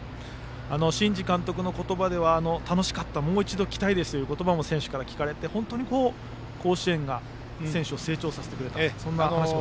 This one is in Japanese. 新治監督の言葉では楽しかった、もう一度来たいですという言葉も選手から聞かれて本当に甲子園が選手を成長させてくれたという話も